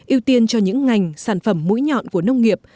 ưu tiên cho những ngành sản phẩm mũi nhọn của nông nghiệp